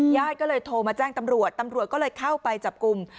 ญาติก็เลยโทรมาแจ้งตำรวจตำรวจก็เลยเข้าไปจับกลุ่ม